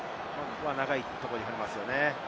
長いところに放りますね。